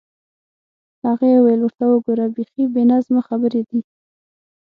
هغې وویل: ورته وګوره، بیخي بې منطقه خبرې دي.